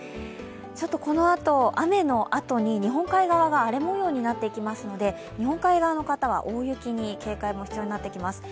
ちょっとこのあと、雨のあとに日本海側が荒れ模様になってきますので日本海側の方は大雪に警戒が必要になってきます。